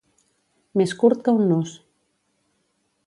Més curt que un nus.